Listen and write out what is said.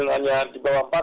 hanya di bawah empat